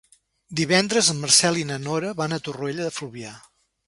Divendres en Marcel i na Nora van a Torroella de Fluvià.